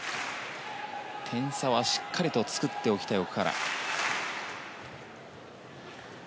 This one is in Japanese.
点差はしっかりと作っておきたい奥原。